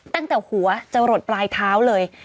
ตั้งแต่หัวจะหลดปลายเท้าเลย